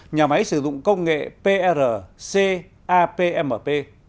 nhà máy sử dụng công nghệ prcapmp